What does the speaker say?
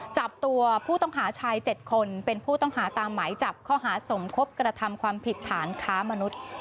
จับตัวผู้ต้องหาชาย๗คนเป็นผู้ต้องหาตามหมายจับข้อหาสมคบกระทำความผิดฐานค้ามนุษย์